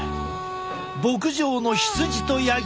牧場の羊とヤギ